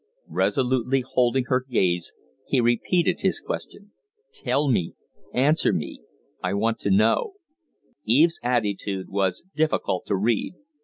Resolutely holding her gaze he repeated his question. "Tell me! Answer me! I want to know." Eve's attitude was difficult to read.